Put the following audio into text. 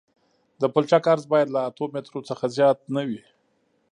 د پلچک عرض باید له اتو مترو څخه زیات نه وي